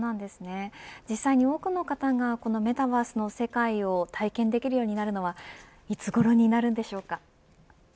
実際に多くの方がこのメタバースの世界を体験できるようになるのはいつごろになるんでしょうか。